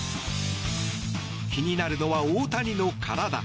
気になるのは大谷の体。